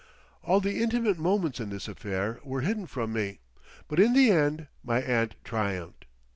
All the intimate moments in this affair were hidden from me, but in the end my aunt triumphed.